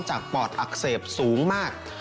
ปอดอักเสบสูงมาก